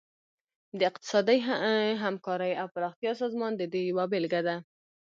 د اقتصادي همکارۍ او پراختیا سازمان د دې یوه بیلګه ده